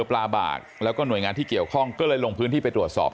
ปลาบากแล้วก็หน่วยงานที่เกี่ยวข้องก็เลยลงพื้นที่ไปตรวจสอบ